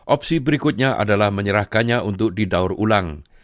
opsi berikutnya adalah menyerahkannya untuk didaur ulang